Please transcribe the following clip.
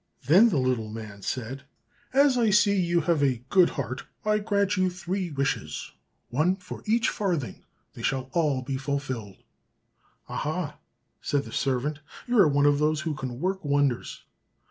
Then the little man said, "As I see you have a good heart I grant you three wishes, one for each farthing, they shall all be fulfilled." "Aha?" said the servant, "you are one of those who can work wonders!